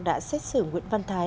đã xét xử nguyễn văn thái